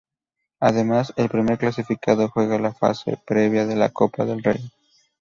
Además, el primer clasificado juega la fase previa de la Copa del Rey.